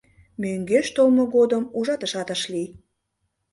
Мӧҥгеш толмо годым ужатышат ыш лий.